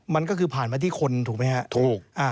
มันก็คือผ่านมาที่คนถูกไหมฮะถูก